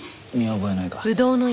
見覚えないか？